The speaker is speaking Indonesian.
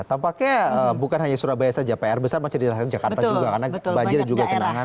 tampaknya bukan hanya surabaya saja pr besar masih dirasakan jakarta juga karena banjir dan juga kenangan